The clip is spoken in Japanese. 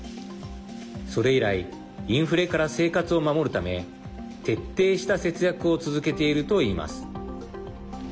それ以来インフレから生活を守るため徹底した節約を続けているといいます。